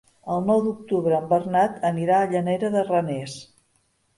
El nou d'octubre en Bernat anirà a Llanera de Ranes.